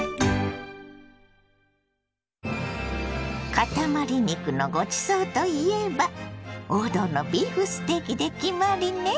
かたまり肉のごちそうといえば王道のビーフステーキで決まりね！